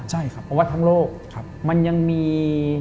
เพราะว่าทั้งโลกมันยังมี